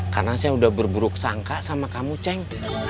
karena saya udah berburuk sangka sama kamu ceng